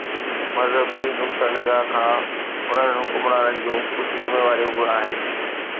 مذهبي نقطه نگاهه کان هنن حڪمرانن جون ڪجهه ذميواريون به آهن.